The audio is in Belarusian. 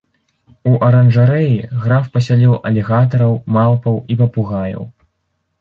У аранжарэі граф пасяліў алігатараў, малпаў і папугаяў.